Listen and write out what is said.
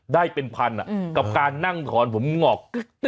ได้เป็นพันกับการนั่งถอนผมงอก